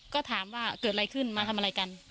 ก็ถามว่าเกิดอะไรขึ้นมาทำอะไรกัน